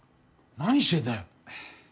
何してんだよ？